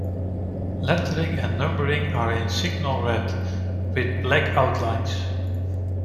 Lettering and numbering are in "Signal Red", with black outlines.